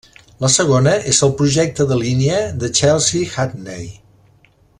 La segona és el projecte de línia de Chelsea-Hackney.